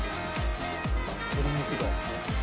鶏肉だ。